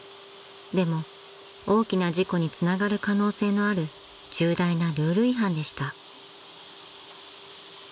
［でも大きな事故につながる可能性のある重大なルール違反でした］